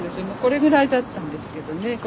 もうこれぐらいだったんですけどね